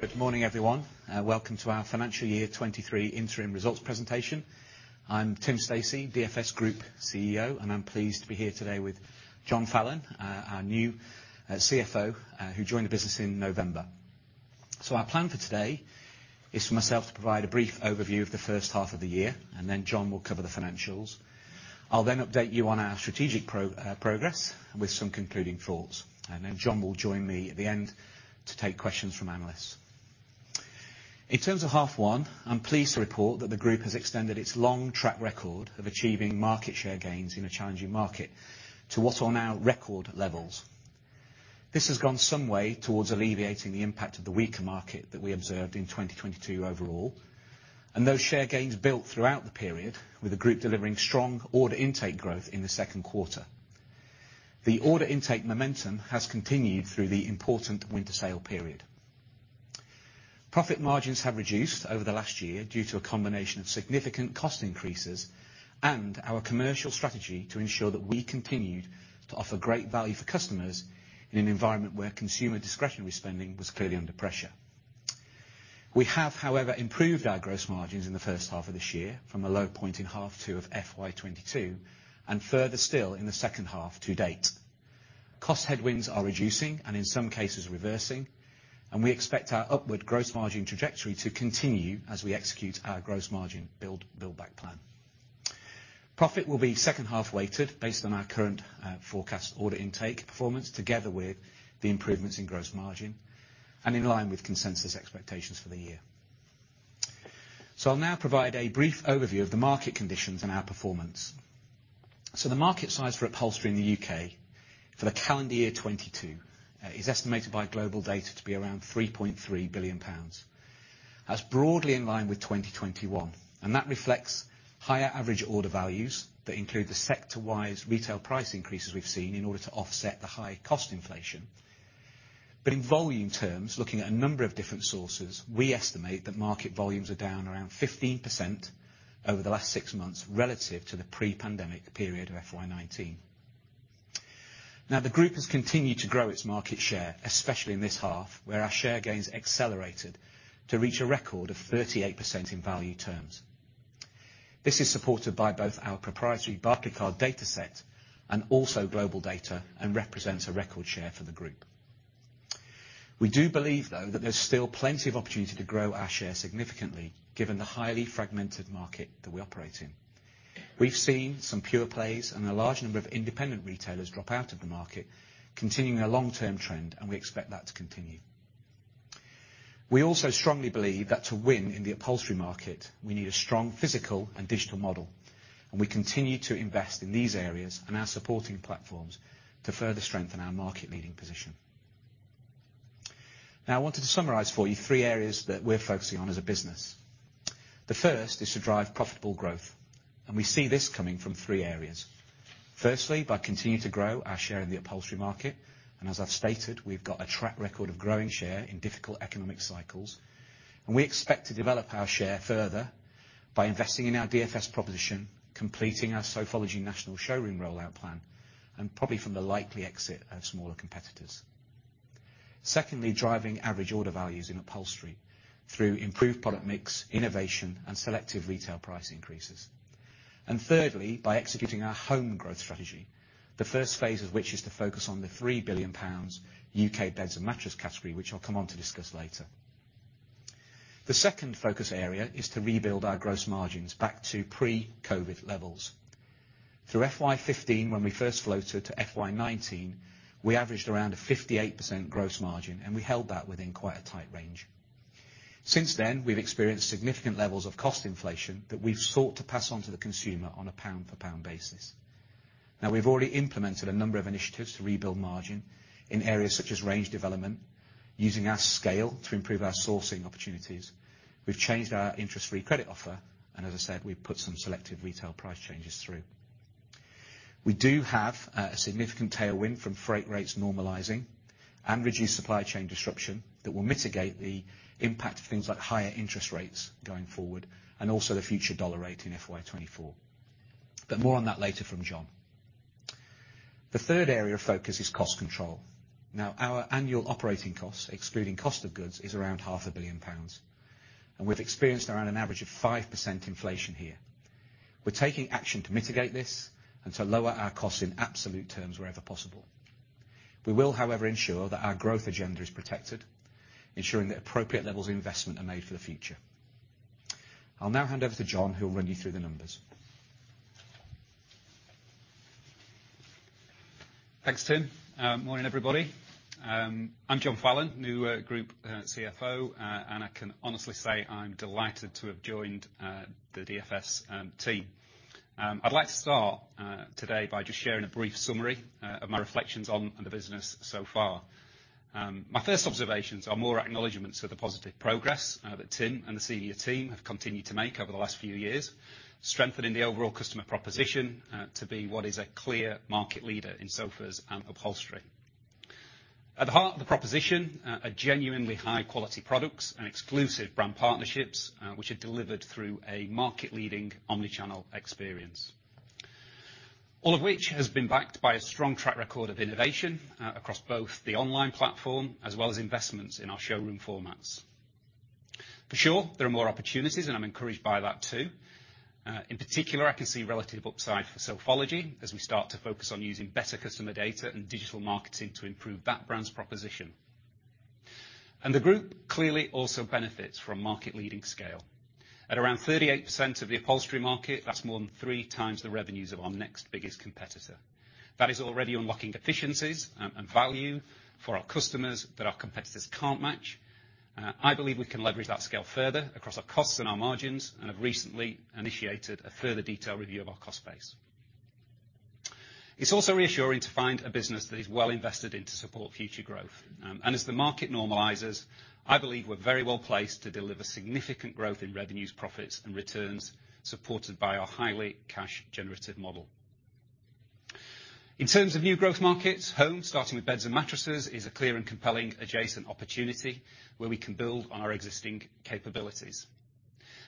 Good morning, everyone. Welcome to our Financial Year 2023 Interim Results Presentation. I'm Tim Stacey, DFS Group CEO, and I'm pleased to be here today with John Fallon, our new CFO, who joined the business in November. Our plan for today is for myself to provide a brief overview of the first half of the year. John will cover the financials. I'll update you on our strategic progress with some concluding thoughts. John will join me at the end to take questions from analysts. In terms of half one, I'm pleased to report that the group has extended its long track record of achieving market share gains in a challenging market to what are now record levels. This has gone some way toward alleviating the impact of the weaker market that we observed in 2022 overall. Those share gains built throughout the period, with the group delivering strong order intake growth in the Q2. The order intake momentum has continued through the important Winter sale period. Profit margins have reduced over the last year due to a combination of significant cost increases and our commercial strategy to ensure that we continued to offer great value for customers in an environment where consumer discretionary spending was clearly under pressure. We have, however, improved our gross margins in the first half of this year from a low point in half two of FY 2022, and further still in the second half to date. Cost headwinds are reducing, and in some cases reversing, and we expect our upward gross margin trajectory to continue as we execute our gross margin build back plan. Profit will be second half weighted based on our current forecast order intake performance, together with the improvements in gross margin and in line with consensus expectations for the year. I'll now provide a brief overview of the market conditions and our performance. The market size for upholstery in the UK for the calendar year 2022 is estimated by GlobalData to be around 3.3 billion pounds. That's broadly in line with 2021, and that reflects higher average order values that include the sector-wise retail price increases we've seen in order to offset the high cost inflation. In volume terms, looking at a number of different sources, we estimate that market volumes are down around 15% over the last six months relative to the pre-pandemic period of FY 2019. The group has continued to grow its market share, especially in this half, where our share gains accelerated to reach a record of 38% in value terms. This is supported by both our proprietary Barclaycard dataset and also GlobalData, and represents a record share for the group. We do believe, though, that there's still plenty of opportunity to grow our share significantly given the highly fragmented market that we operate in. We've seen some pure plays and a large number of independent retailers drop out of the market, continuing a long-term trend, and we expect that to continue. We also strongly believe that to win in the upholstery market, we need a strong physical and digital model. We continue to invest in these areas and our supporting platforms to further strengthen our market-leading position. I wanted to summarize for you three areas that we're focusing on as a business. The first is to drive profitable growth. We see this coming from three areas. Firstly, by continuing to grow our share in the upholstery market. As I've stated, we've got a track record of growing share in difficult economic cycles. We expect to develop our share further by investing in our DFS proposition, completing our Sofology national showroom rollout plan, probably from the likely exit of smaller competitors. Secondly, driving average order values in upholstery through improved product mix, innovation, and selective retail price increases. Thirdly, by executing our home growth strategy, the first phase of which is to focus on the 3 billion pounds UK beds and mattress category, which I'll come on to discuss later. The second focus area is to rebuild our gross margins back to pre-COVID levels. Through FY 2015 when we first floated to FY 2019, we averaged around a 58% gross margin, and we held that within quite a tight range. Since then, we've experienced significant levels of cost inflation that we've sought to pass on to the consumer on a pound-for-pound basis. We've already implemented a number of initiatives to rebuild margin in areas such as range development, using our scale to improve our sourcing opportunities. We've changed our interest-free credit offer, and as I said, we've put some selective retail price changes through. We do have a significant tailwind from freight rates normalizing and reduced supply chain disruption that will mitigate the impact of things like higher interest rates going forward, and also the future dollar rate in FY 2024. More on that later from John. The third area of focus is cost control. Our annual operating costs, excluding cost of goods, is around half a billion GBP, and we've experienced around an average of 5% inflation here. We're taking action to mitigate this and to lower our costs in absolute terms wherever possible. We will, however, ensure that our growth agenda is protected, ensuring that appropriate levels of investment are made for the future. I'll now hand over to John, who will run you through the numbers. Thanks, Tim. Morning, everybody. I'm John Fallon, new Group Chief Financial Officer, and I can honestly say I'm delighted to have joined the DFS team. I'd like to start today by just sharing a brief summary of my reflections on the business so far. My first observations are more acknowledgments of the positive progress that Tim and the senior team have continued to make over the last few years, strengthening the overall customer proposition to be what is a clear market leader in sofas and upholstery. At the heart of the proposition are genuinely high-quality products and exclusive brand partnerships, which are delivered through a market-leading omnichannel experience. All of which has been backed by a strong track record of innovation across both the online platform as well as investments in our showroom formats. For sure, there are more opportunities, and I'm encouraged by that too. In particular, I can see relative upside for Sofology as we start to focus on using better customer data and digital marketing to improve that brand's proposition. The group clearly also benefits from market-leading scale. At around 38% of the upholstery market, that's more than three times the revenues of our next biggest competitor. That is already unlocking efficiencies and value for our customers that our competitors can't match. I believe we can leverage that scale further across our costs and our margins, and have recently initiated a further detailed review of our cost base. It's also reassuring to find a business that is well invested in to support future growth. As the market normalizes, I believe we're very well placed to deliver significant growth in revenues, profits and returns, supported by our highly cash generative model. In terms of new growth markets, home, starting with beds and mattresses, is a clear and compelling adjacent opportunity where we can build on our existing capabilities.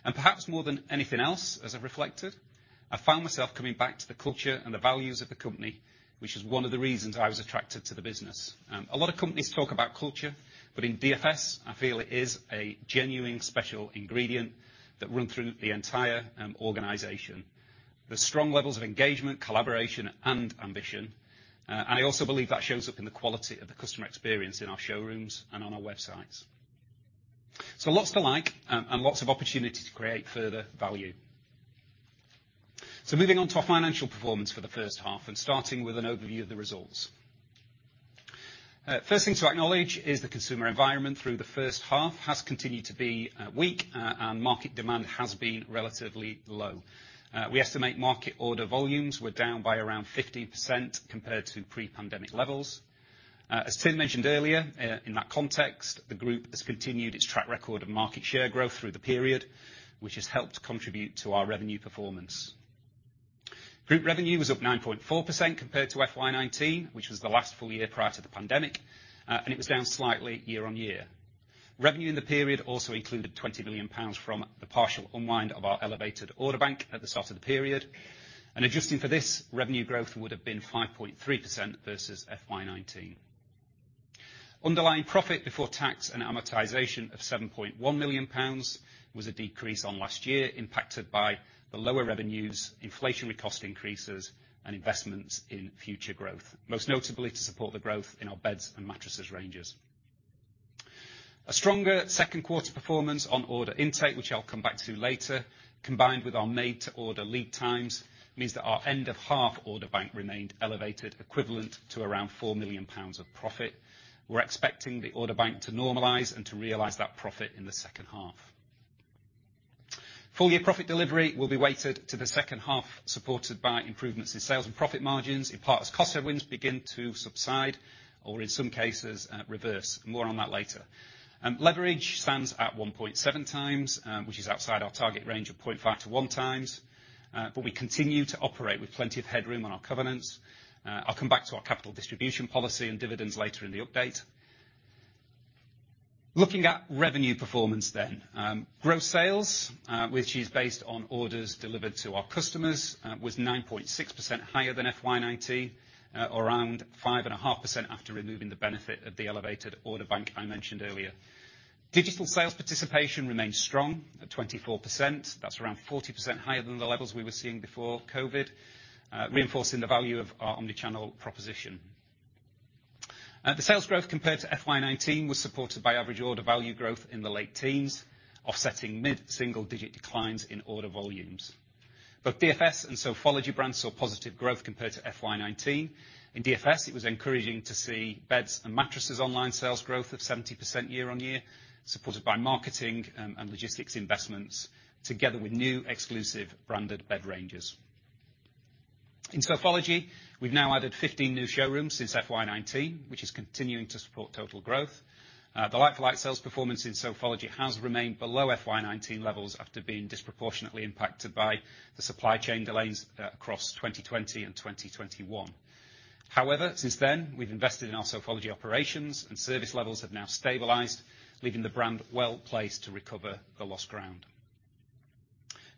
Perhaps more than anything else, as I've reflected, I found myself coming back to the culture and the values of the company, which is one of the reasons I was attracted to the business. A lot of companies talk about culture, but in DFS I feel it is a genuine special ingredient that run through the entire organization. There's strong levels of engagement, collaboration, and ambition. I also believe that shows up in the quality of the customer experience in our showrooms and on our websites. Lots to like, and lots of opportunity to create further value. Moving on to our financial performance for the first half, and starting with an overview of the results. First thing to acknowledge is the consumer environment through the first half has continued to be weak, and market demand has been relatively low. We estimate market order volumes were down by around 15% compared to pre-pandemic levels. As Tim mentioned earlier, in that context, the group has continued its track record of market share growth through the period, which has helped contribute to our revenue performance. Group revenue was up 9.4% compared to FY 2019, which was the last full year prior to the pandemic, it was down slightly year-on-year. Revenue in the period also included 20 million pounds from the partial unwind of our elevated order bank at the start of the period. Adjusting for this, revenue growth would have been 5.3% versus FY 2019. Underlying profit before tax and amortization of 7.1 million pounds was a decrease on last year, impacted by the lower revenues, inflationary cost increases, and investments in future growth, most notably to support the growth in our beds and mattresses ranges. A stronger Q2 performance on order intake, which I'll come back to later, combined with our made to order lead times, means that our end of half order bank remained elevated, equivalent to around 4 million pounds of profit. We're expecting the order bank to normalize and to realize that profit in the second half. Full year profit delivery will be weighted to the second half, supported by improvements in sales and profit margins, in part as cost headwinds begin to subside or in some cases, reverse. More on that later. Leverage stands at 1.7 times, which is outside our target range of 0.5 to 1 times. We continue to operate with plenty of headroom on our covenants. I'll come back to our capital distribution policy and dividends later in the update. Looking at revenue performance. Gross sales, which is based on orders delivered to our customers, was 9.6% higher than FY 2019, around 5.5% after removing the benefit of the elevated order bank I mentioned earlier. Digital sales participation remained strong at 24%. That's around 40% higher than the levels we were seeing before COVID, reinforcing the value of our omnichannel proposition. The sales growth compared to FY 2019 was supported by average order value growth in the late teens, offsetting mid-single digit declines in order volumes. Both DFS and Sofology brands saw positive growth compared to FY 2019. In DFS, it was encouraging to see beds and mattresses online sales growth of 70% year-over-year, supported by marketing and logistics investments, together with new exclusive branded bed ranges. In Sofology, we've now added 15 new showrooms since FY 2019, which is continuing to support total growth. The like-for-like sales performance in Sofology has remained below FY 2019 levels after being disproportionately impacted by the supply chain delays across 2020 and 2021. Since then, we've invested in our Sofology operations and service levels have now stabilized, leaving the brand well placed to recover the lost ground.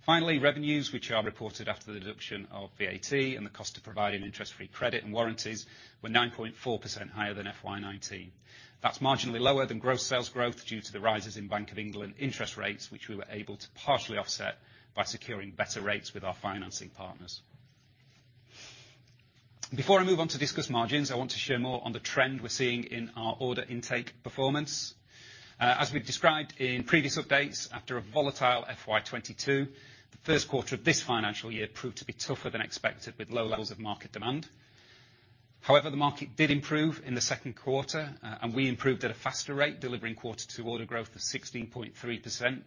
Revenues which are reported after the deduction of VAT and the cost of providing interest-free credit and warranties were 9.4% higher than FY 2019. That's marginally lower than gross sales growth due to the rises in Bank of England interest rates, which we were able to partially offset by securing better rates with our financing partners. Before I move on to discuss margins, I want to share more on the trend we're seeing in our order intake performance. As we've described in previous updates, after a volatile FY 2022, the Q1 of this financial year proved to be tougher than expected with low levels of market demand. However, the market did improve in the Q2, we improved at a faster rate, delivering quarter to order growth of 16.3%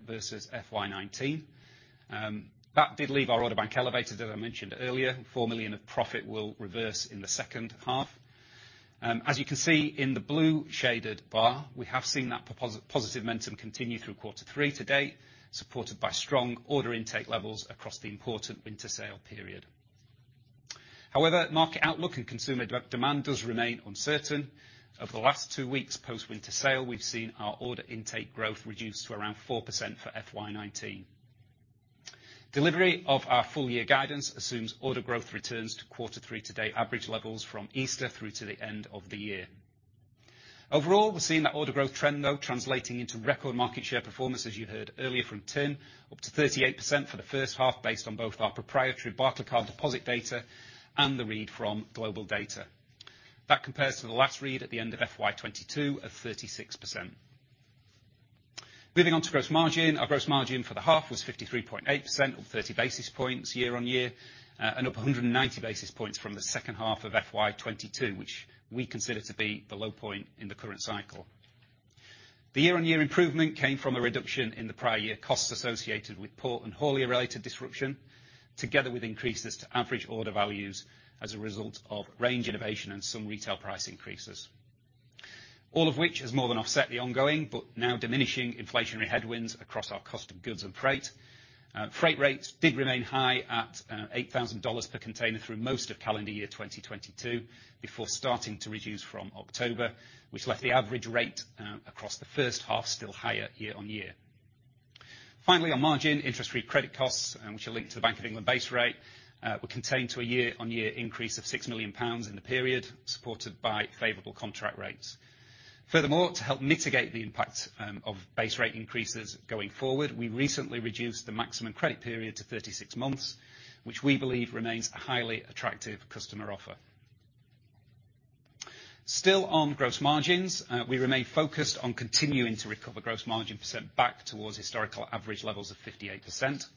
versus FY 2019. That did leave our order bank elevated, as I mentioned earlier. 4 million of profit will reverse in the second half. As you can see in the blue shaded bar, we have seen that positive momentum continue through Q3 to date, supported by strong order intake levels across the important Winter sale period. However, market outlook and consumer demand does remain uncertain. Over the last two weeks post-Winter sale, we've seen our order intake growth reduce to around 4% for FY 2019. Delivery of our full year guidance assumes order growth returns to Q3 today average levels from Easter through to the end of the year. Overall, we're seeing that order growth trend though translating into record market share performance as you heard earlier from Tim, up to 38% for the first half based on both our proprietary Barclaycard deposit data and the read from GlobalData. That compares to the last read at the end of FY 2022 of 36%. Moving on to gross margin. Our gross margin for the half was 53.8%, up 30 basis points year-on-year, and up 190 basis points from the second half of FY 2022, which we consider to be the low point in the current cycle. The year-on-year improvement came from a reduction in the prior year costs associated with port and haulier-related disruption, together with increases to average order values as a result of range innovation and some retail price increases. All of which has more than offset the ongoing but now diminishing inflationary headwinds across our cost of goods and freight. Freight rates did remain high at $8,000 per container through most of calendar year 2022, before starting to reduce from October, which left the average rate across the first half still higher year-on-year. Finally, on margin, interest-free credit costs, which are linked to the Bank of England base rate, were contained to a year-on-year increase of 6 million pounds in the period, supported by favorable contract rates. Furthermore, to help mitigate the impact of base rate increases going forward, we recently reduced the maximum credit period to 36 months, which we believe remains a highly attractive customer offer. Still on gross margins, we remain focused on continuing to recover gross margin percent back towards historical average levels of 58%.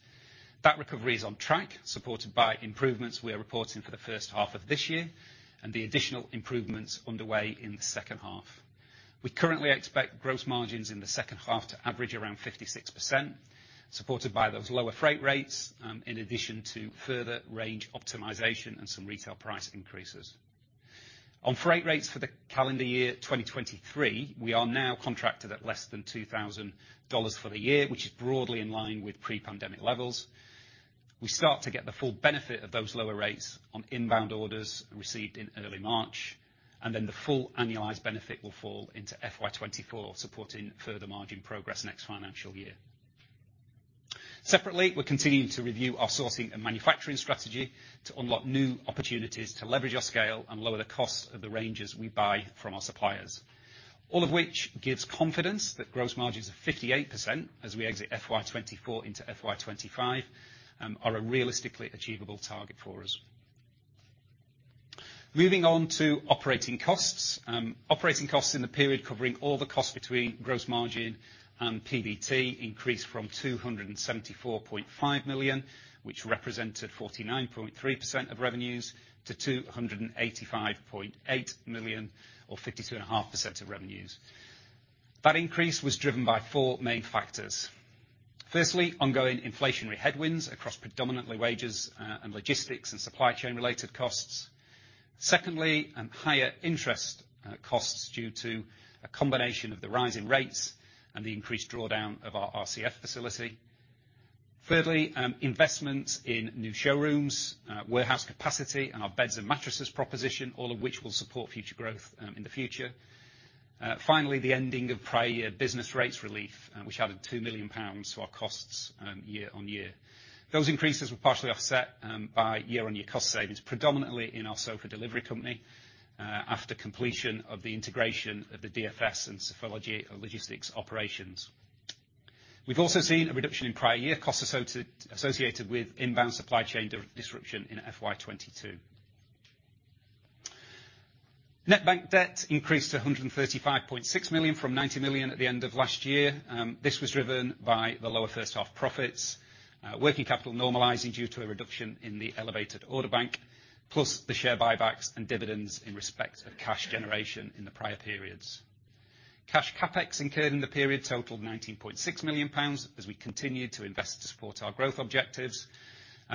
That recovery is on track, supported by improvements we are reporting for the first half of this year and the additional improvements underway in the second half. We currently expect gross margins in the second half to average around 56%, supported by those lower freight rates, in addition to further range optimization and some retail price increases. On freight rates for the calendar year 2023, we are now contracted at less than $2,000 for the year, which is broadly in line with pre-pandemic levels. We start to get the full benefit of those lower rates on inbound orders received in early March, and then the full annualized benefit will fall into FY 2024, supporting further margin progress next financial year. Separately, we're continuing to review our sourcing and manufacturing strategy to unlock new opportunities to leverage our scale and lower the costs of the ranges we buy from our suppliers. All of which gives confidence that gross margins of 58% as we exit FY 2024 into FY 2025 are a realistically achievable target for us. Moving on to operating costs. Operating costs in the period covering all the costs between gross margin and PBT increased from 274.5 million, which represented 49.3% of revenues, to 285.8 million or 52.5% of revenues. That increase was driven by four main factors. Firstly, ongoing inflationary headwinds across predominantly wages and logistics and supply chain-related costs. Secondly, higher interest costs due to a combination of the rise in rates and the increased drawdown of our RCF facility. Thirdly, investment in new showrooms, warehouse capacity and our beds and mattresses proposition, all of which will support future growth in the future. Finally, the ending of prior year business rates relief, which added 2 million pounds to our costs year-on-year. Those increases were partially offset by year-on-year cost savings, predominantly in our Sofa Delivery Company, after completion of the integration of the DFS and Sofology logistics operations. We've also seen a reduction in prior year costs associated with inbound supply chain disruption in FY 2022. Net bank debt increased to 135.6 million from 90 million at the end of last year. This was driven by the lower first half profits, working capital normalizing due to a reduction in the elevated order bank, plus the share buybacks and dividends in respect of cash generation in the prior periods. Cash CapEx incurred in the period totaled 19.6 million pounds as we continued to invest to support our growth objectives.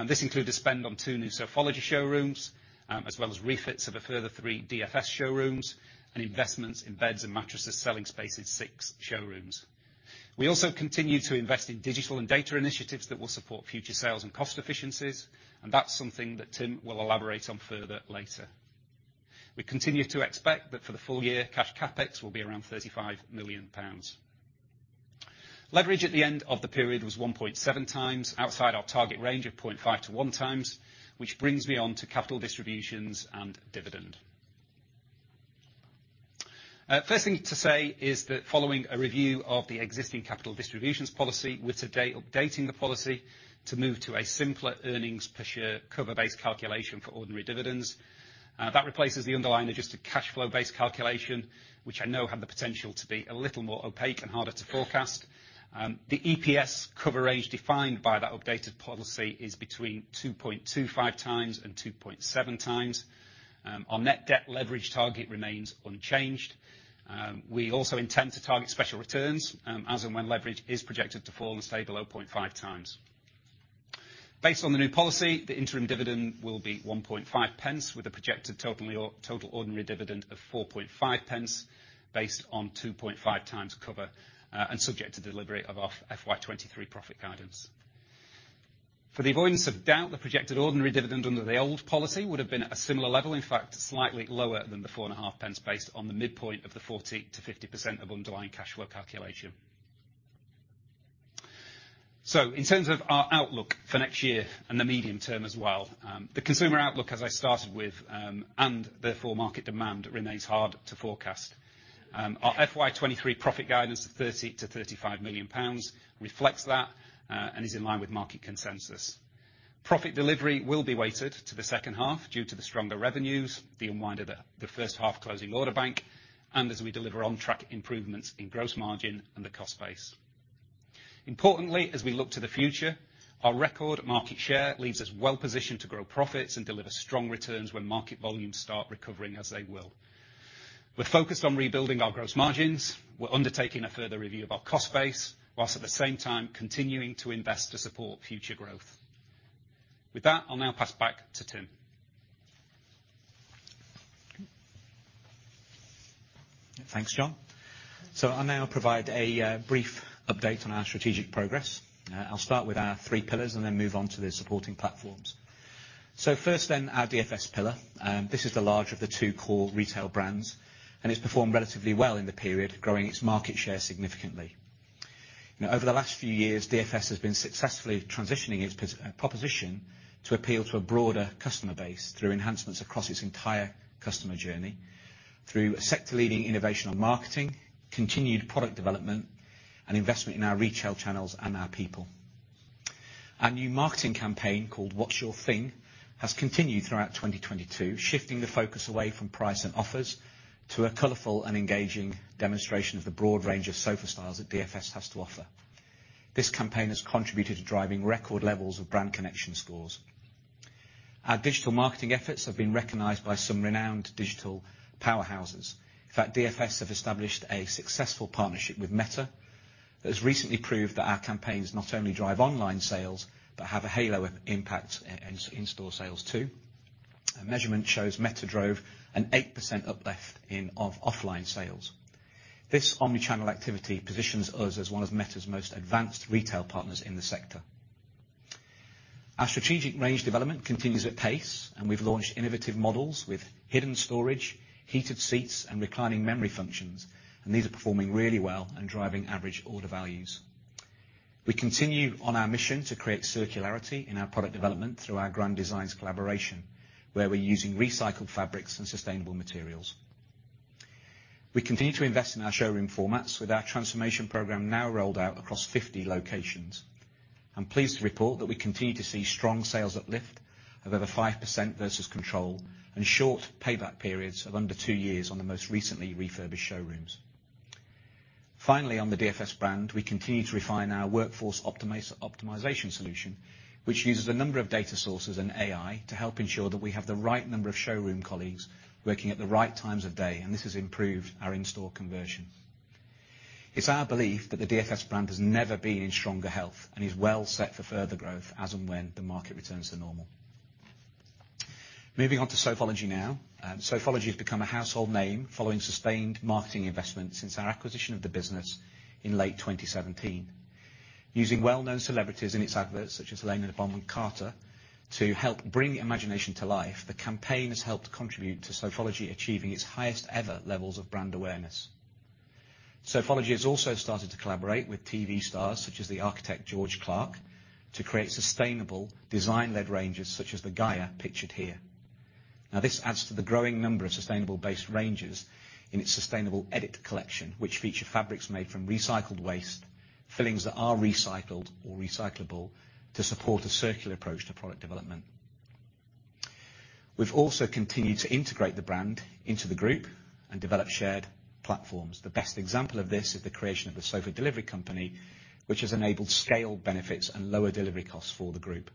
This included spend on two new Sofology showrooms, as well as refits of a further three DFS showrooms and investments in beds and mattresses selling space in six showrooms. We also continued to invest in digital and data initiatives that will support future sales and cost efficiencies, that's something that Tim will elaborate on further later. We continue to expect that for the full year, cash CapEx will be around 35 million pounds. Leverage at the end of the period was 1.7 times outside our target range of 0.5-1 times, which brings me on to capital distributions and dividend. First thing to say is that following a review of the existing capital distributions policy, we're today updating the policy to move to a simpler earnings-per-share cover-based calculation for ordinary dividends. That replaces the underlying adjusted cash flow-based calculation, which I know had the potential to be a little more opaque and harder to forecast. The EPS coverage defined by that updated policy is between 2.25 times and 2.7 times. Our net debt leverage target remains unchanged. We also intend to target special returns as and when leverage is projected to fall and stay below 0.5 times. Based on the new policy, the interim dividend will be 1.5 pence with a projected total ordinary dividend of 4.5 pence based on 2.5x cover, and subject to delivery of our FY 2023 profit guidance. For the avoidance of doubt, the projected ordinary dividend under the old policy would have been at a similar level, in fact, slightly lower than the four and a half pence based on the midpoint of the 40%-50% of underlying cash flow calculation. In terms of our outlook for next year and the medium term as well, the consumer outlook as I started with, and therefore, market demand remains hard to forecast. Our FY 2023 profit guidance of 30 million-35 million pounds reflects that, and is in line with market consensus. Profit delivery will be weighted to the second half due to the stronger revenues, the unwind of the first-half closing order bank, and as we deliver on track improvements in gross margin and the cost base. Importantly, as we look to the future, our record market share leaves us well-positioned to grow profits and deliver strong returns when market volumes start recovering as they will. We're focused on rebuilding our gross margins. We're undertaking a further review of our cost base, while at the same time continuing to invest to support future growth. With that, I'll now pass back to Tim. Thanks, John. I'll now provide a brief update on our strategic progress. I'll start with our three pillars and then move on to the supporting platforms. First then, our DFS pillar. This is the larger of the two core retail brands, and it's performed relatively well in the period, growing its market share significantly. Now, over the last few years, DFS has been successfully transitioning its proposition to appeal to a broader customer base through enhancements across its entire customer journey through sector-leading innovation and marketing, continued product development, and investment in our retail channels and our people. Our new marketing campaign called What's Your Thing? has continued throughout 2022, shifting the focus away from price and offers to a colorful and engaging demonstration of the broad range of sofa styles that DFS has to offer. This campaign has contributed to driving record levels of brand connection scores. Our digital marketing efforts have been recognized by some renowned digital powerhouses. In fact, DFS have established a successful partnership with Meta that has recently proved that our campaigns not only drive online sales but have a halo of impact in in-store sales too. A measurement shows Meta drove an 8% uplift in offline sales. This omnichannel activity positions us as one of Meta's most advanced retail partners in the sector. Our strategic range development continues at pace, and we've launched innovative models with hidden storage, heated seats, and reclining memory functions, and these are performing really well and driving average order values. We continue on our mission to create circularity in our product development through our Grand Designs collaboration, where we're using recycled fabrics and sustainable materials. We continue to invest in our showroom formats with our transformation program now rolled out across 50 locations. I'm pleased to report that we continue to see strong sales uplift of over 5% versus control and short payback periods of under two years on the most recently refurbished showrooms. Finally, on the DFS brand, we continue to refine our workforce optimization solution, which uses a number of data sources and AI to help ensure that we have the right number of showroom colleagues working at the right times of day, and this has improved our in-store conversion. It's our belief that the DFS brand has never been in stronger health and is well set for further growth as and when the market returns to normal. Moving on to Sofology now. Sofology has become a household name following sustained marketing investments since our acquisition of the business in late 2017. Using well-known celebrities in its adverts, such as Lena Dunham and Carter, to help bring imagination to life, the campaign has helped contribute to Sofology achieving its highest ever levels of brand awareness. Sofology has also started to collaborate with TV stars, such as the architect George Clarke, to create sustainable design-led ranges such as the Gaia pictured here. This adds to the growing number of sustainable base ranges in its Sustainable Edit collection, which feature fabrics made from recycled waste, fillings that are recycled or recyclable to support a circular approach to product development. We've also continued to integrate the brand into the group and develop shared platforms. The best example of this is the creation of The Sofa Delivery Company, which has enabled scale benefits and lower delivery costs for the group.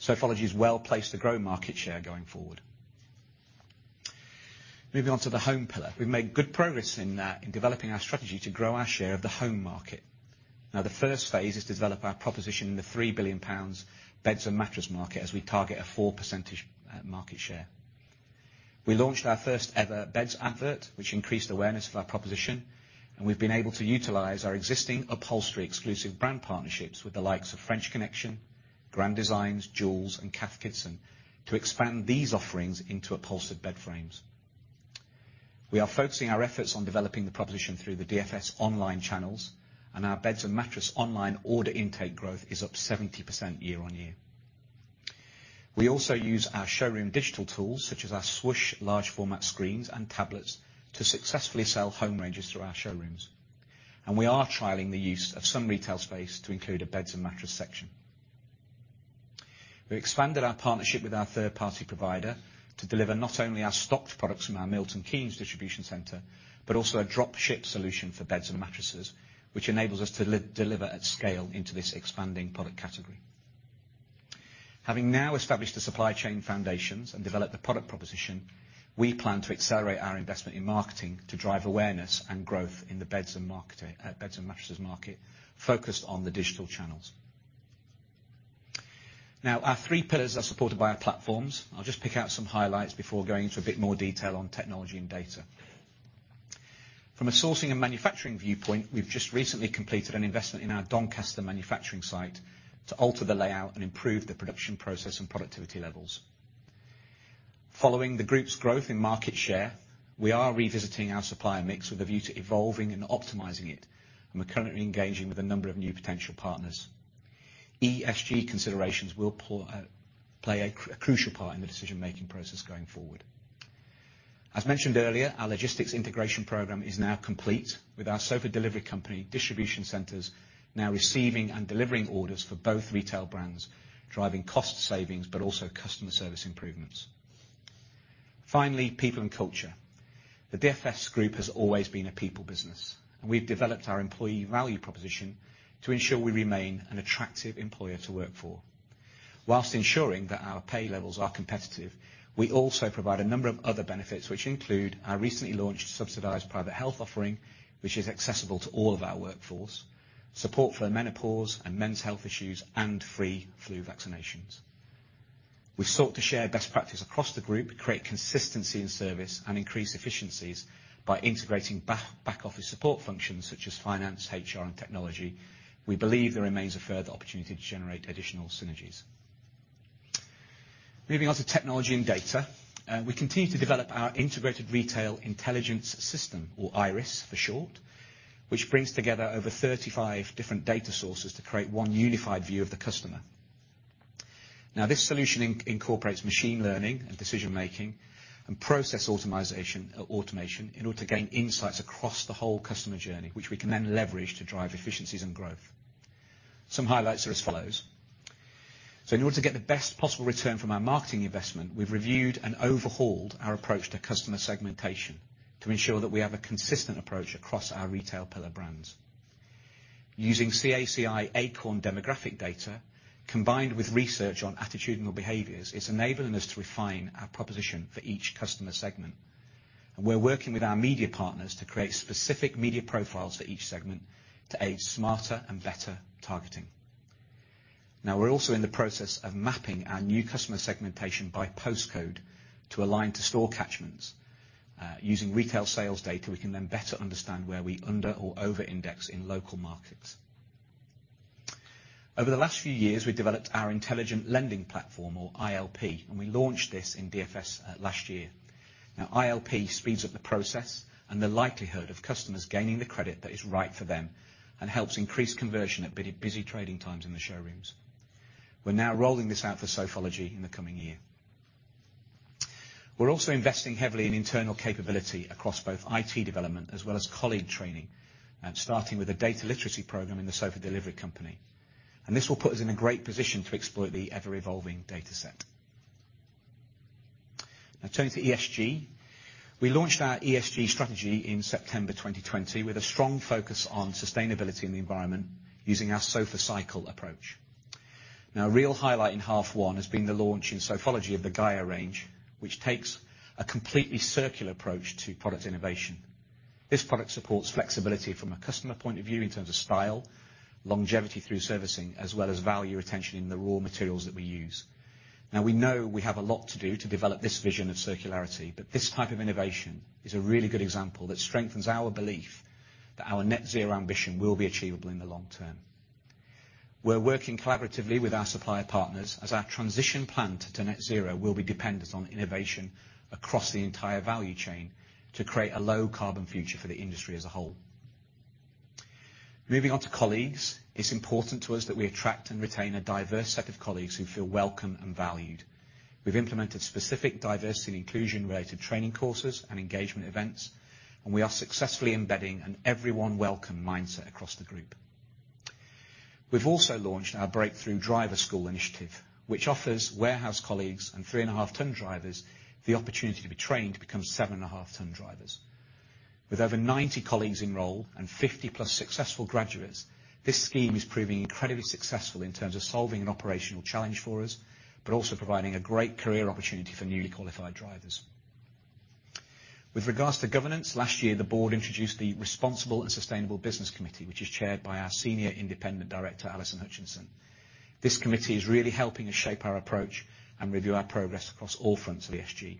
Sofology is well-placed to grow market share going forward. Moving on to the home pillar. We've made good progress in developing our strategy to grow our share of the home market. The first phase is to develop our proposition in the 3 billion pounds beds and mattress market as we target a 4% market share. We launched our first ever beds advert, which increased awareness of our proposition, and we've been able to utilize our existing upholstery exclusive brand partnerships with the likes of French Connection, Grand Designs, Joules, and Cath Kidston to expand these offerings into upholstered bed frames. We are focusing our efforts on developing the proposition through the DFS online channels, and our beds and mattress online order intake growth is up 70% year on year. We also use our showroom digital tools, such as our Swoosh large format screens and tablets, to successfully sell home ranges through our showrooms. We are trialing the use of some retail space to include a beds and mattress section. We expanded our partnership with our third-party provider to deliver not only our stocked products from our Milton Keynes Distribution Centre but also a drop ship solution for beds and mattresses, which enables us to deliver at scale into this expanding product category. Having established the supply chain foundations and developed the product proposition, we plan to accelerate our investment in marketing to drive awareness and growth in the beds and mattresses market focused on the digital channels. Our three pillars are supported by our platforms. I'll just pick out some highlights before going into a bit more detail on technology and data. From a sourcing and manufacturing viewpoint, we've just recently completed an investment in our Doncaster manufacturing site to alter the layout and improve the production process and productivity levels. Following the group's growth in market share, we are revisiting our supplier mix with a view to evolving and optimizing it, and we're currently engaging with a number of new potential partners. ESG considerations will play a crucial part in the decision-making process going forward. As mentioned earlier, our logistics integration program is now complete, with our Sofa Delivery Company distribution centers now receiving and delivering orders for both retail brands, driving cost savings, but also customer service improvements. Finally, people and culture. The DFS Group has always been a people business, and we've developed our employee value proposition to ensure we remain an attractive employer to work for. Whilst ensuring that our pay levels are competitive, we also provide a number of other benefits, which include our recently launched subsidized private health offering, which is accessible to all of our workforce, support for menopause and men's health issues, and free flu vaccinations. We've sought to share best practice across the group, create consistency in service, and increase efficiencies by integrating back office support functions such as finance, HR, and technology. We believe there remains a further opportunity to generate additional synergies. Moving on to technology and data. We continue to develop our Integrated Retail Intelligence System, or IRIS for short, which brings together over 35 different data sources to create one unified view of the customer. This solution incorporates machine learning and decision-making and process automation in order to gain insights across the whole customer journey, which we can then leverage to drive efficiencies and growth. Some highlights are as follows. In order to get the best possible return from our marketing investment, we've reviewed and overhauled our approach to customer segmentation to ensure that we have a consistent approach across our retail pillar brands. Using CACI Acorn demographic data, combined with research on attitudinal behaviors, it's enabling us to refine our proposition for each customer segment. We're working with our media partners to create specific media profiles for each segment to aid smarter and better targeting. We're also in the process of mapping our new customer segmentation by postcode to align to store catchments. Using retail sales data, we can then better understand where we under or over index in local markets. Over the last few years, we developed our Intelligent Lending Platform, or ILP, and we launched this in DFS last year. ILP speeds up the process and the likelihood of customers gaining the credit that is right for them and helps increase conversion at busy trading times in the showrooms. We're now rolling this out for Sofology in the coming year. We're also investing heavily in internal capability across both IT development as well as colleague training, starting with a data literacy program in The Sofa Delivery Company. This will put us in a great position to exploit the ever-evolving data set. Turning to ESG. We launched our ESG strategy in September 2020 with a strong focus on sustainability and the environment using our The Sofa Cycle approach. A real highlight in half one has been the launch in Sofology of the Gaia range, which takes a completely circular approach to product innovation. This product supports flexibility from a customer point of view in terms of style, longevity through servicing, as well as value retention in the raw materials that we use. We know we have a lot to do to develop this vision of circularity, but this type of innovation is a really good example that strengthens our belief that our net zero ambition will be achievable in the long term. We're working collaboratively with our supplier partners as our transition plan to net zero will be dependent on innovation across the entire value chain to create a low carbon future for the industry as a whole. Moving on to colleagues. It's important to us that we attract and retain a diverse set of colleagues who feel welcome and valued. We've implemented specific diversity and inclusion-related training courses and engagement events, we are successfully embedding an everyone welcome mindset across the group. We've also launched our Breakthrough Driver School initiative, which offers warehouse colleagues and 3.5 ton drivers the opportunity to be trained to become 7.5 ton drivers. With over 90 colleagues enrolled and 50+ successful graduates, this scheme is proving incredibly successful in terms of solving an operational challenge for us, also providing a great career opportunity for newly qualified drivers. With regards to governance, last year, the board introduced the Responsible and Sustainable Business Committee, which is chaired by our Senior Independent Director, Alison Hutchinson. This committee is really helping us shape our approach and review our progress across all fronts of ESG.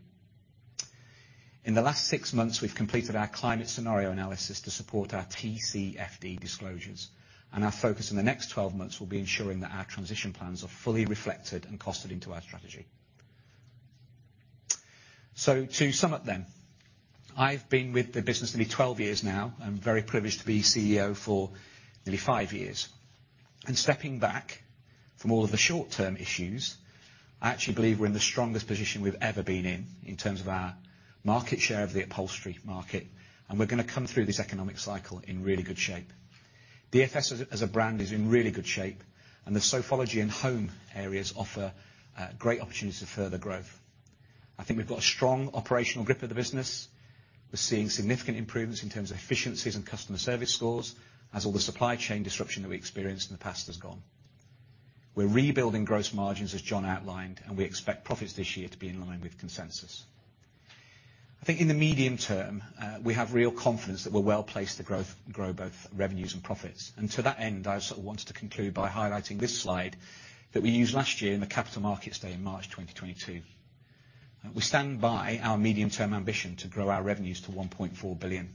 In the last six months, we've completed our climate scenario analysis to support our TCFD disclosures. Our focus in the next 12 months will be ensuring that our transition plans are fully reflected and costed into our strategy. To sum up then, I've been with the business nearly 12 years now. I'm very privileged to be CEO for nearly 5 years. Stepping back from all of the short-term issues, I actually believe we're in the strongest position we've ever been in terms of our market share of the upholstery market, and we're gonna come through this economic cycle in really good shape. DFS as a brand is in really good shape, and the Sofology and Home areas offer great opportunities for further growth. I think we've got a strong operational grip of the business. We're seeing significant improvements in terms of efficiencies and customer service scores, as all the supply chain disruption that we experienced in the past has gone. We're rebuilding gross margins, as John outlined, and we expect profits this year to be in line with consensus. I think in the medium term, we have real confidence that we're well placed to grow both revenues and profits. To that end, I sort of wanted to conclude by highlighting this slide that we used last year in the Capital Markets Day in March 2022. We stand by our medium-term ambition to grow our revenues to 1.4 billion.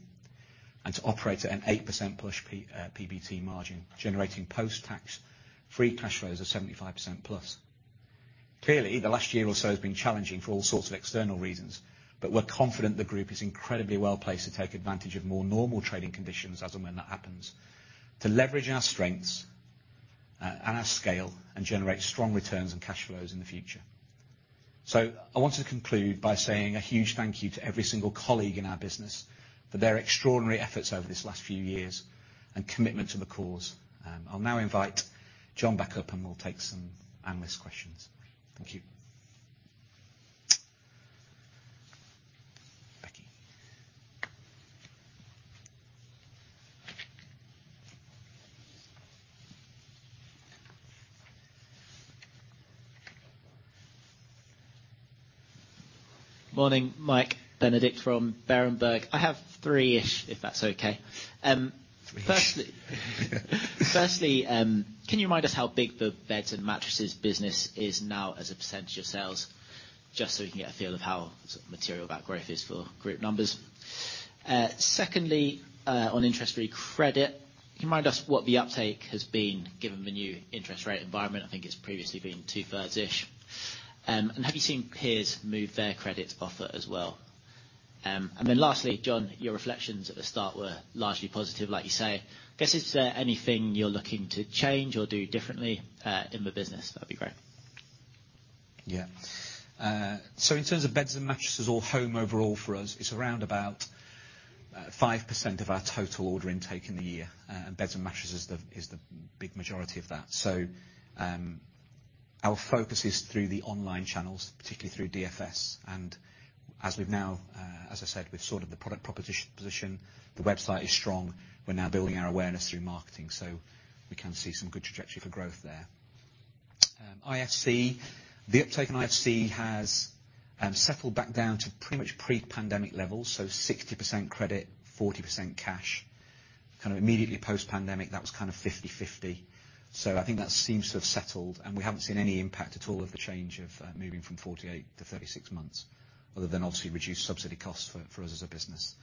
To operate at an 8% PBT margin, generating post-tax free cash flows of 75%+. Clearly, the last year or so has been challenging for all sorts of external reasons, but we're confident the group is incredibly well-placed to take advantage of more normal trading conditions as and when that happens, to leverage our strengths and our scale, and generate strong returns and cash flows in the future. I want to conclude by saying a huge thank you to every single colleague in our business for their extraordinary efforts over this last few years and commitment to the cause. I'll now invite John back up, and we'll take some analyst questions. Thank you. Morning, Michael Benedict from Berenberg. I have three-ish, if that's okay. Three-ish. Firstly, can you remind us how big the beds and mattresses business is now as a percentage of sales, just so we can get a feel of how sort of material that growth is for group numbers? Secondly, on interest-free credit, can you remind us what the uptake has been given the new interest rate environment? I think it's previously been two-thirds-ish. Have you seen peers move their credit offer as well? Lastly, John, your reflections at the start were largely positive, like you say. I guess is there anything you're looking to change or do differently in the business? That'd be great. In terms of beds and mattresses or home overall for us, it's around about 5% of our total order intake in the year. Beds and mattresses is the big majority of that. Our focus is through the online channels, particularly through DFS. As we've now, as I said, we've sorted the product proposition, position. The website is strong. We're now building our awareness through marketing, so we can see some good trajectory for growth there. ILP, the uptake on ILP has settled back down to pretty much pre-pandemic levels, so 60% credit, 40% cash. Immediately post-pandemic, that was 50/50. I think that seems to have settled, and we haven't seen any impact at all of the change of moving from 48 to 36 months, other than obviously reduced subsidy costs for us as a business.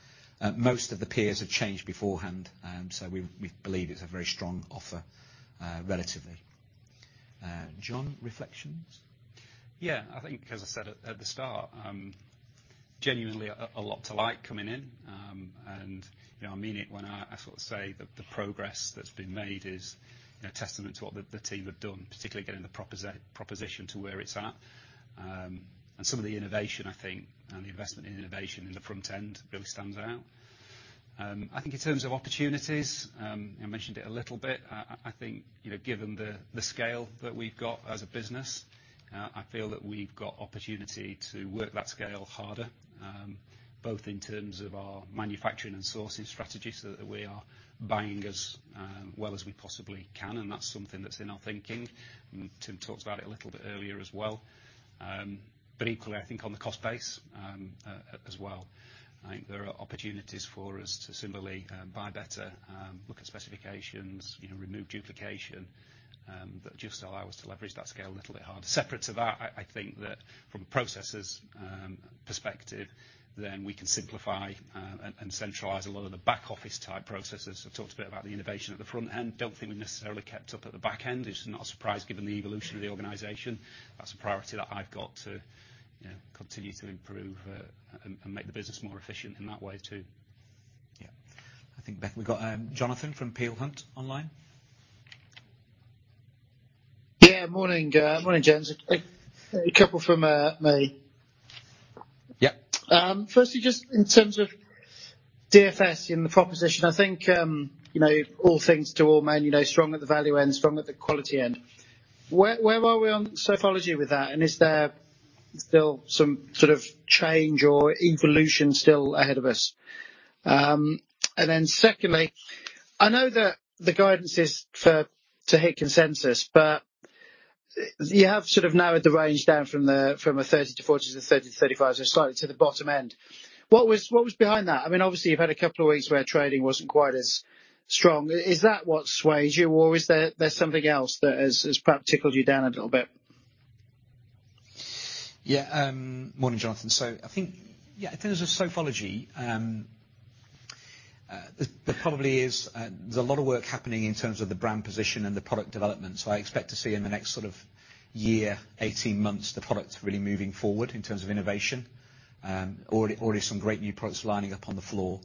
Most of the peers have changed beforehand, so we believe it's a very strong offer, relatively. John, reflections? Yeah, I think, as I said at the start, genuinely a lot to like coming in. You know, I mean it when I sort of say that the progress that's been made is, you know, testament to what the team have done, particularly getting the proposition to where it's at. Some of the innovation, I think, and the investment in innovation in the front end really stands out. I think in terms of opportunities, you mentioned it a little bit, I think, you know, given the scale that we've got as a business, I feel that we've got opportunity to work that scale harder, both in terms of our manufacturing and sourcing strategy so that we are buying as well as we possibly can, and that's something that's in our thinking. Tim talked about it a little bit earlier as well. Equally, I think on the cost base as well. I think there are opportunities for us to similarly buy better, look at specifications, you know, remove duplication that just allow us to leverage that scale a little bit harder. Separate to that, I think that from a processes perspective, we can simplify and centralize a lot of the back office type processes. I talked a bit about the innovation at the front end. Don't think we necessarily kept up at the back end. It's not a surprise given the evolution of the organization. That's a priority that I've got to, you know, continue to improve and make the business more efficient in that way, too. I think, back, we've got Jonathan from Peel Hunt online. Yeah. Morning. Morning, gents. A couple from me. Yeah. First you just in terms of DFS in the proposition, I think, you know, all things to all men, you know, strong at the value end, strong at the quality end. Where are we on Sofology with that? Is there still some sort of change or evolution still ahead of us? And then secondly, I know that the guidance is to hit consensus, but you have sort of narrowed the range down from a 30-40, to 30-35. Slightly to the bottom end. What was behind that? I mean, obviously, you've had a couple of weeks where trading wasn't quite as strong. Is that what sways you, or is there something else that has perhaps tickled you down a little bit? Morning, Jonathan. I think, yeah, I think with Sofology, there probably is there's a lot of work happening in terms of the brand position and the product development. I expect to see in the next sort of year, 18 months, the products really moving forward in terms of innovation. Already some great new products lining up on the floor.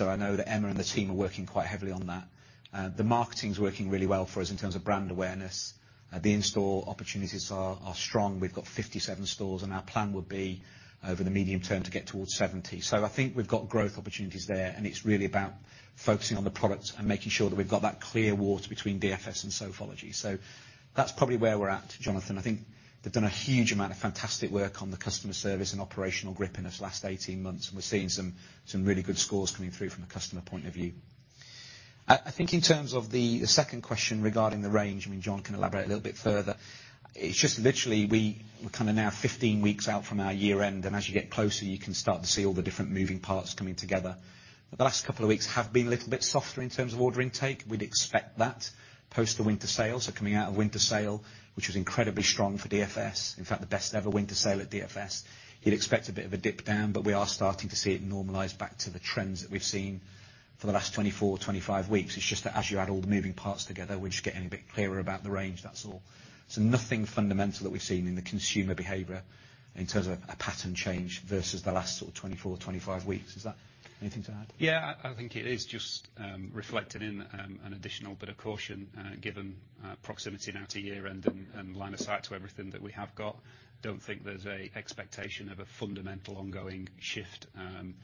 I know that Emma and the team are working quite heavily on that. The marketing's working really well for us in terms of brand awareness. The in-store opportunities are strong. We've got 57 stores, and our plan would be over the medium term to get towards 70. I think we've got growth opportunities there, and it's really about focusing on the products and making sure that we've got that clear water between DFS and Sofology. That's probably where we're at, Jonathan. I think they've done a huge amount of fantastic work on the customer service and operational grip in this last 18 months, and we're seeing some really good scores coming through from a customer point of view. I think in terms of the second question regarding the range, I mean, John can elaborate a little bit further. It's just literally we're kind of now 15 weeks out from our year end, and as you get closer, you can start to see all the different moving parts coming together. The last couple of weeks have been a little bit softer in terms of order intake. We'd expect that post the winter sale. Coming out of winter sale, which was incredibly strong for DFS, in fact, the best ever winter sale at DFS. You'd expect a bit of a dip down, but we are starting to see it normalize back to the trends that we've seen for the last 24, 25 weeks. It's just that as you add all the moving parts together, we're just getting a bit clearer about the range, that's all. Nothing fundamental that we've seen in the consumer behavior in terms of a pattern change versus the last sort of 24 or 25 weeks. Anything to add? I think it is just reflected in an additional bit of caution given proximity now to year-end and line of sight to everything that we have got. Don't think there's an expectation of a fundamental ongoing shift. You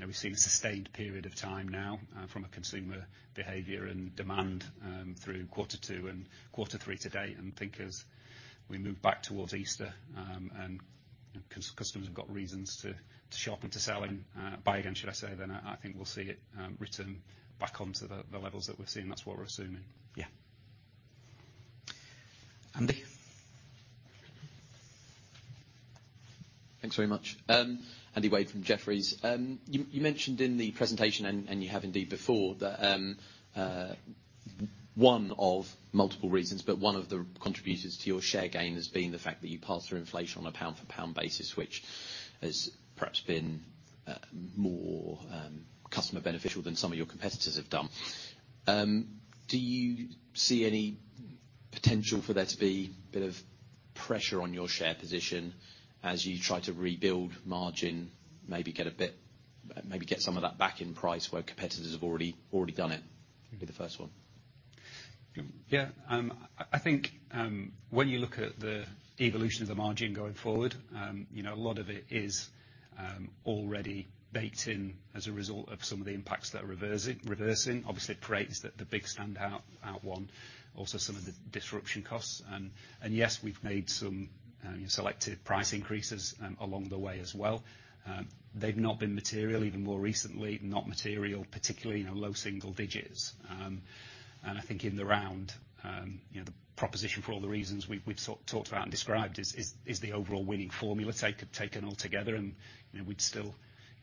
know, we've seen a sustained period of time now from a consumer behavior and demand through quarter two and quarter three to date. Think as we move back towards Easter and customers have got reasons to shop and to sell and buy again, should I say, then I think we'll see it return back onto the levels that we've seen. That's what we're assuming. Yeah. Andy? Thanks very much. Andrew Wade from Jefferies. You mentioned in the presentation and you have indeed before that one of multiple reasons, but one of the contributors to your share gain has been the fact that you pass through inflation on a pound-for-pound basis, which has perhaps been more customer beneficial than some of your competitors have done. Do you see any potential for there to be a bit of pressure on your share position as you try to rebuild margin, maybe get some of that back in price where competitors have already done it? You'll be the first one. Yeah. I think, when you look at the evolution of the margin going forward, you know, a lot of it is already baked in as a result of some of the impacts that are reversing. Obviously, freight is the big standout one, also some of the disruption costs. Yes, we've made some selective price increases along the way as well. They've not been material even more recently, not material, particularly in our low single digits. I think in the round, you know, the proposition for all the reasons we've sort of talked about and described is the overall winning formula taken all together. You know, we'd still,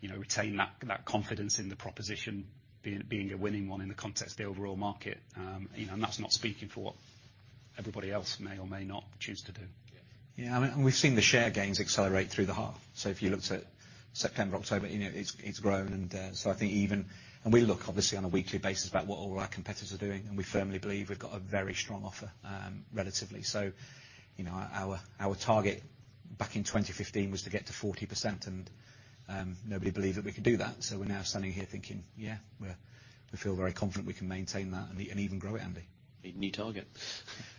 you know, retain that confidence in the proposition being a winning one in the context of the overall market. You know, that's not speaking for what everybody else may or may not choose to do. Yeah. I mean, we've seen the share gains accelerate through the half. If you looked at September, October, you know, it's grown. I think And we look obviously on a weekly basis about what all our competitors are doing, and we firmly believe we've got a very strong offer, relatively. You know, our target back in 2015 was to get to 40%, and nobody believed that we could do that. We're now standing here thinking, yeah, we feel very confident we can maintain that and even grow it, Andy. Need a new target. The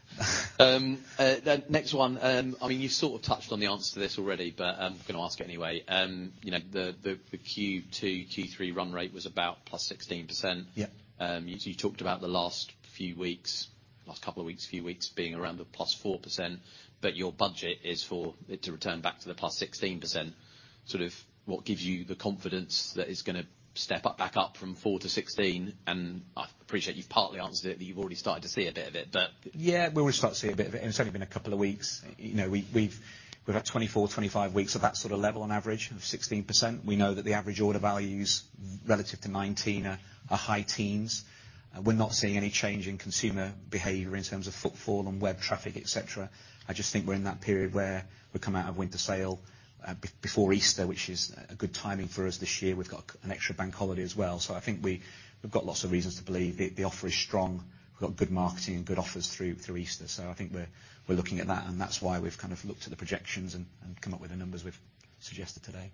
next one, I mean, you sort of touched on the answer to this already, but I'm gonna ask anyway. You know, the Q2, Q3 run rate was about +16%. Yeah. You talked about the last few weeks, last couple of weeks, few weeks being around the +4%, but your budget is for it to return back to the +16%. Sort of what gives you the confidence that it's gonna step up back up from 4% to 16%? I appreciate you've partly answered it, but you've already started to see a bit of it. We were starting to see a bit of it, and it's only been a couple of weeks. You know, we've had 24, 25 weeks of that sort of level on average of 16%. We know that the average order values relative to 2019 are high teens. We're not seeing any change in consumer behavior in terms of footfall and web traffic, et cetera. I just think we're in that period where we've come out of Winter Sale before Easter, which is a good timing for us this year. We've got an extra bank holiday as well. I think we've got lots of reasons to believe the offer is strong. We've got good marketing and good offers through Easter. I think we're looking at that, and that's why we've kind of looked at the projections and come up with the numbers we've suggested today.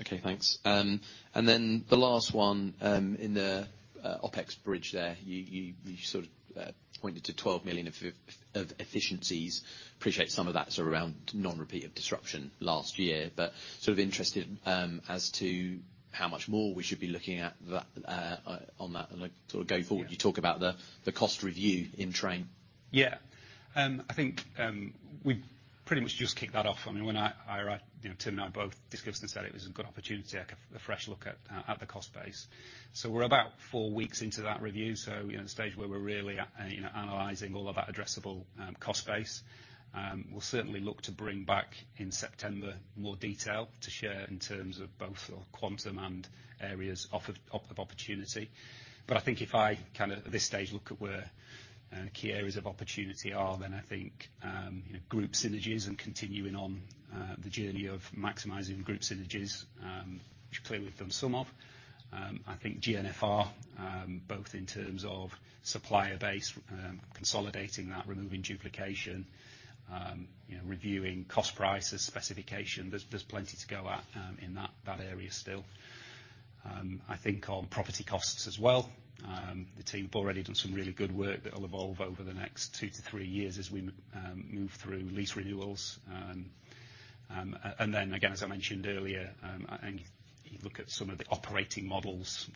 Okay, thanks. The last one, in the OpEx bridge there, you sort of pointed to 12 million of efficiencies. Appreciate some of that sort of around non-repeat of disruption last year, but sort of interested as to how much more we should be looking at that on that like sort of going forward. Yeah. You talk about the cost review in train. Yeah. I think we've pretty much just kicked that off. I mean, when I, you know, Tim and I both discussed this and said it was a good opportunity, a fresh look at the cost base. We're about four weeks into that review, so we're at a stage where we're really analyzing all of that addressable cost base. We'll certainly look to bring back in September more detail to share in terms of both the quantum and areas of opportunity. I think if I kind of at this stage look at where key areas of opportunity are, I think, you know, group synergies and continuing on the journey of maximizing group synergies, which clearly done some of, I think GNFR, both in terms of supplier base, consolidating that, removing duplication, you know, reviewing cost prices, specification. There's plenty to go at in that area still. I think on property costs as well, the team have already done some really good work that'll evolve over the next two to three years as we move through lease renewals. Then again, as I mentioned earlier, and you look at some of the operating models,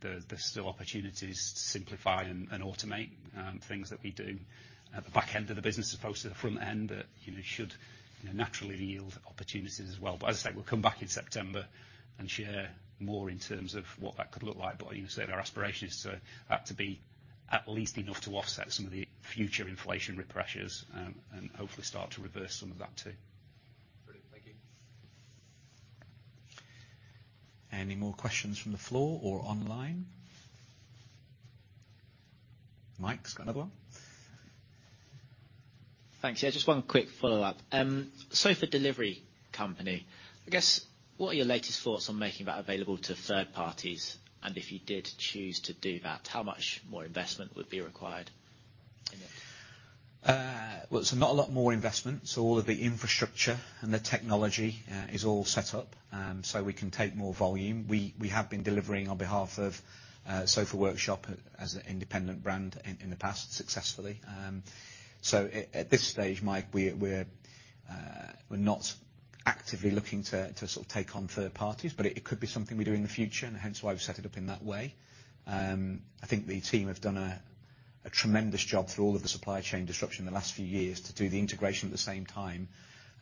there's still opportunities to simplify and automate things that we do at the back end of the business as opposed to the front end that, you know, should, you know, naturally yield opportunities as well. As I said, we'll come back in September and share more in terms of what that could look like. Like you said, our aspiration is to be at least enough to offset some of the future inflationary pressures, and hopefully start to reverse some of that too. Brilliant. Thank you. Any more questions from the floor or online? Mike's got another one. Thanks. Yeah, just 1 quick follow-up. The Sofa Delivery Company, I guess, what are your latest thoughts on making that available to third parties? If you did choose to do that, how much more investment would be required? Well, not a lot more investment. All of the infrastructure and the technology is all set up, so we can take more volume. We have been delivering on behalf of Sofa Workshop as an independent brand in the past successfully. At this stage, Mike, we're not actively looking to sort of take on third parties, but it could be something we do in the future and hence why we've set it up in that way. I think the team have done a tremendous job through all of the supply chain disruption in the last few years to do the integration at the same time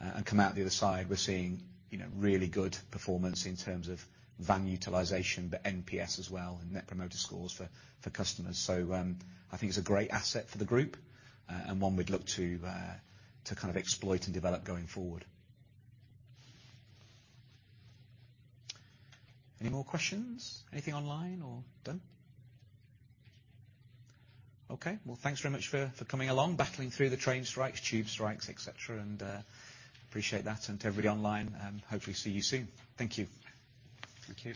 and come out the other side. We're seeing, you know, really good performance in terms of van utilization, but NPS as well, and Net Promoter scores for customers. I think it's a great asset for the group, and one we'd look to kind of exploit and develop going forward. Any more questions? Anything online or done? Okay. Well, thanks very much for coming along, battling through the train strikes, tube strikes, et cetera, and appreciate that. To everybody online, hopefully see you soon. Thank you. Thank you.